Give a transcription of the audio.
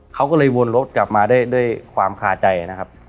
เขาก็เลยวนรถกลับมาด้วยความคาใจนะครับ